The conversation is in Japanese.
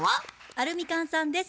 アルミカンさんです。